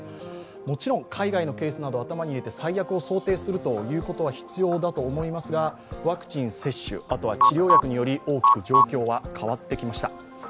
もちろん海外のケースなど頭に入れて最悪を想定するということは必要だと思いますがワクチン接種、あとは治療薬により大きく状況は変わってきました。